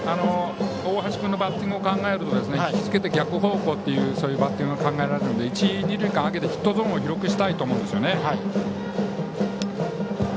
大橋君のバッティングを考えると引き付けて逆方向というバッティングが考えられるので一、二塁間を空けてヒットゾーンを広くしたいですね。